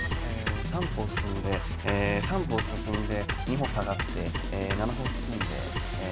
え３歩進んで２歩下がって７歩進んで。